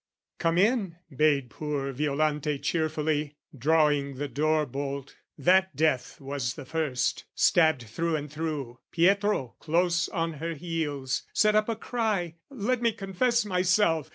"Come in," bade poor Violante cheerfully, Drawing the door bolt: that death was the first, Stabbed through and through. Pietro, close on her heels, Set up a cry "Let me confess myself!